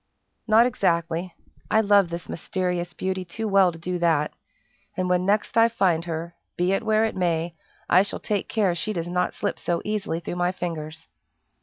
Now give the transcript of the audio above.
"Not exactly. I love this mysterious beauty too well to do that; and when next I find her, be it where it may, I shall take care she does not slip so easily through my fingers."